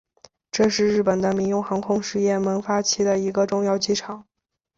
这是日本的民用航空事业萌芽期的一个重要机场。